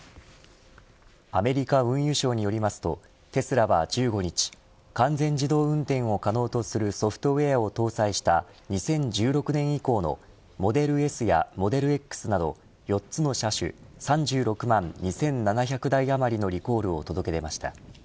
アメリカ運輸省によりますとテスラは１５日完全自動運転を可能とするソフトウエアを搭載した２０１６年以降のモデルＳやモデルＸなど、４つの車種３６万２７００台余りのリコールを届け出ました。